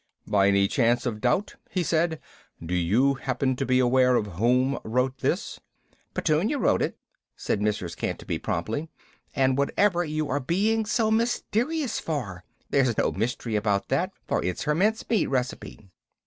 "By any chance of doubt," he said, "do you happen to be aware of whom wrote this?" "Petunia wrote it," said Mrs. Canterby promptly, "and whatever are you being so mysterious for? There's no mystery about that, for it's her mince meat recipe."